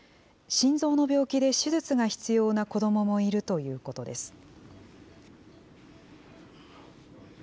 心臓の病気で手術が必要な子どももいるということです。